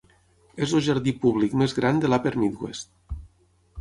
És el jardí public més gran de l'Upper Midwest.